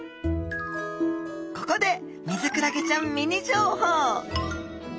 ここでミズクラゲちゃんミニ情報！